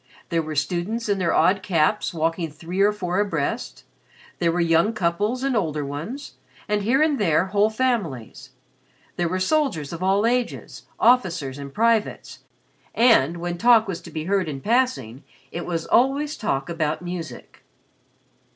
There were students in their odd caps walking three or four abreast, there were young couples and older ones, and here and there whole families; there were soldiers of all ages, officers and privates; and, when talk was to be heard in passing, it was always talk about music.